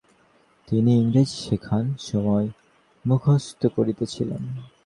তিনি ইংরেজি শেখার সময় মুখস্থ করেছিলেন।